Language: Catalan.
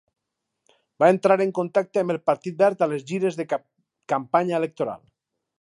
Va entrar en contacte amb el partit verd a les gires de campanya electoral.